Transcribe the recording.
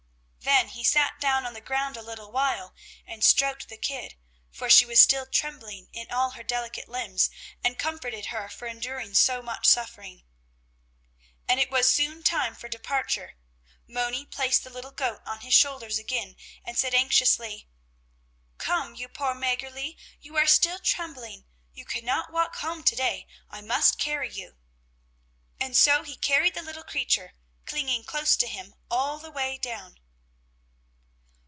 Then he sat down on the ground a little while, and stroked the kid, for she was still trembling in all her delicate limbs, and comforted her for enduring so much suffering. As it was soon time for departure, Moni placed the little goat on his shoulders again, and said anxiously: "Come, you poor Mäggerli, you are still trembling; you cannot walk home to day, I must carry you " and so he carried the little creature, clinging close to him, all the way down.